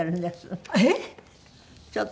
えっ！？